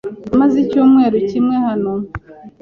Maze icyumweru kimwe hano.